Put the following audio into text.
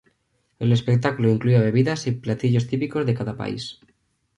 El espectáculo incluía bebidas y platillos típicos de cada país.